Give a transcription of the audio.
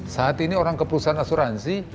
saat ini orang ke perusahaan asuransi